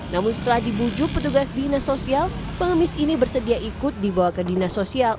namun setelah dibujuk petugas dinasosial pengemis ini bersedia ikut dibawa ke dinasosial